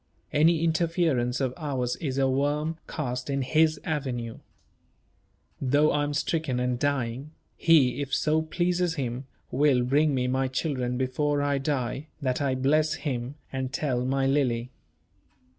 Any interference of ours is a worm cast in His avenue. Though I am stricken and dying, He, if so pleases Him, will bring me my children before I die, that I may bless Him, and tell my Lily."